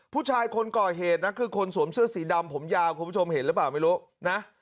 ผู้ชายคนก่อเหตุนะคือคนสวมเสื้อสีดำผมยาวคุณผู้ชมเห็นหรือเปล่าไม่รู้นะ